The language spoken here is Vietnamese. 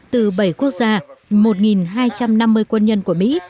từ bảy quốc gia một hai trăm năm mươi quân nhân của mỹ